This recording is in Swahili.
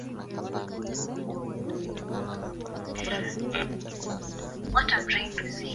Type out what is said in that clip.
Watu wanajaribu kuondoka nchini kabla ya uchaguzi